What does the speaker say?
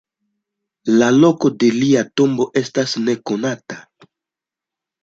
La loko de lia tombo estas nekonata.